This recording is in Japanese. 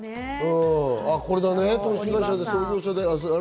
これだね。